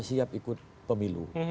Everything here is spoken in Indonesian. siap ikut pemilu